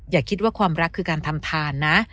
อย่าคิดว่าความรักคือการทำทานนะ